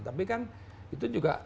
tapi kan itu juga